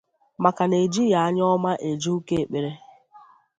maka na e jighị anya ọma eje ụka ekpere